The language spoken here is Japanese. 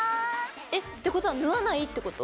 えっ！ってことは縫わないってこと？